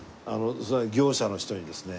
それは業者の人にですね。